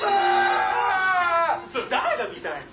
「それ誰が見たいの？」